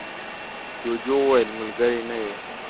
جوجو وویل ملگری نه یې.